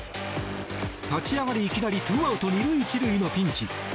立ち上がり、いきなり２アウト２塁１塁のピンチ。